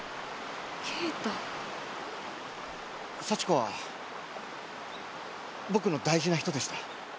幸子は僕の大事な人でした。